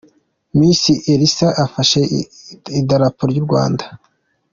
Miss Elsa afashe idarapo ry’u Rwanda.